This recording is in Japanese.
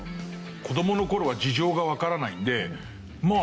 子供の頃は事情がわからないんで。